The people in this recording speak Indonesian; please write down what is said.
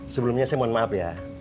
sebelumnya saya mohon maaf ya